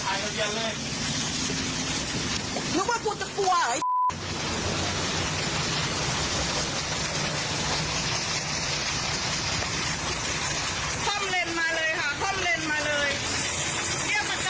ค่อยมาเลยนะคะหาเรื่องด้วยค่ะถือรถถือแป๊กมาตีเลย